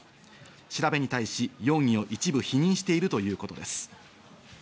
調べに対し、容疑を一部否認しているということです。